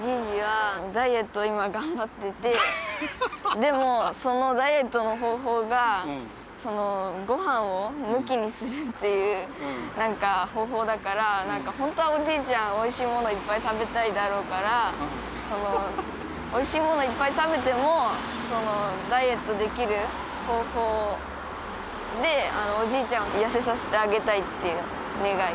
でもそのダイエットの方法がごはんを抜きにするっていう何か方法だから本当はおじいちゃんおいしいものいっぱい食べたいだろうからおいしいものをいっぱい食べてもダイエットできる方法でおじいちゃんを痩せさせてあげたいっていう願い。